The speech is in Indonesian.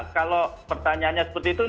kalau pertanyaannya seperti itu